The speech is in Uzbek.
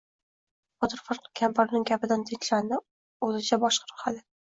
Botir firqa kampirini gapidan tinchlandi. O’zicha bosh irg‘adi.